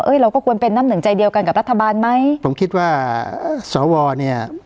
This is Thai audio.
เราก็ควรเป็นน้ำหนึ่งใจเดียวกันกับรัฐบาลไหมผมคิดว่าสวเนี่ย